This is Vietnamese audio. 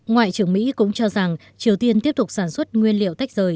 ngoại trưởng mỹ cũng cho rằng triều tiên tiếp tục sản xuất nguyên liệu tách rời